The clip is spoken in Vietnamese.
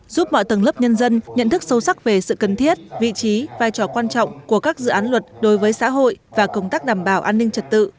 giúp mọi tầng lớp nhân dân nhận thức sâu sắc về sự cần thiết vị trí vai trò quan trọng của các dự án luật đối với xã hội và công tác đảm bảo an ninh trật tự